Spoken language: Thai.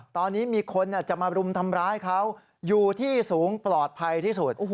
ตอนนี้มีคนจะมารุมทำร้ายเขาอยู่ที่สูงปลอดภัยที่สุด